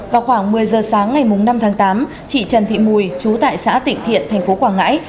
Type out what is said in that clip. vào khoảng một mươi h sáng ngày năm tháng tám chị trần thị mùi chú tại xã tịnh thiện tp quảng ngãi